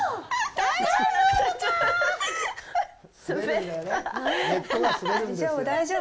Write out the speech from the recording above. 大丈夫、大丈夫。